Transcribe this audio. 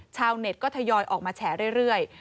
ชาวเน็ตก็ทยอยออกมาแฉเรื่อย